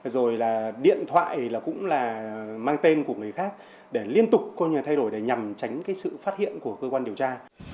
rồi là điện thoại là cũng là mang tên của người khác để liên tục thay đổi để nhằm tránh sự phát hiện của cơ quan điều tra